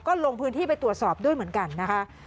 ก็ลงพื้นที่ไปตรวจสอบด้วยเหมือนกันนะคะ